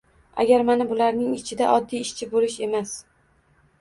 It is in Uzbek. agar mana bularning ichida oddiy ishchi bo‘lish emas